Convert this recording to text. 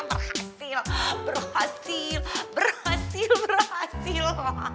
berhasil berhasil berhasil berhasil